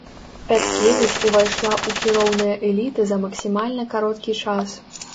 Пяткевіч увайшла ў кіроўныя эліты за максімальна кароткі час.